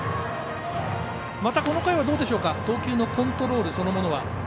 またこの回はどうでしょう投球のコントロールそのものは。